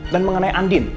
dan mengenai andin